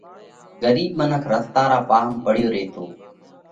ڳرِيٻ منک رستا را پاهام پڙيو تو۔